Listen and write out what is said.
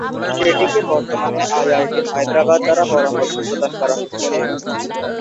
এটিকে বর্তমানে আইআইটি হায়দ্রাবাদ দ্বারা পরামর্শ প্রদান করা হচ্ছে।